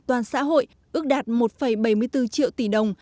toàn xã hội ước đạt một bảy mươi bốn triệu tỷ đồng